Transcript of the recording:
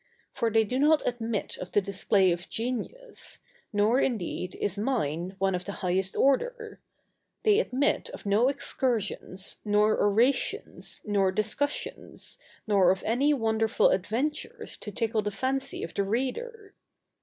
For they do not admit of the display of genius, nor, indeed, is mine one of the highest order; they admit of no excursions, nor orations, nor discussions, nor of any wonderful adventures to tickle the fancy of the reader.